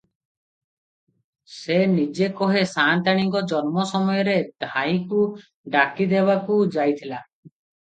ସେ ନିଜେ କହେ ସାଆନ୍ତାଣୀଙ୍କ ଜନ୍ମସମୟରେ ଧାଈକୁ ଡାକିଦେବାକୁ ଯାଇଥିଲା ।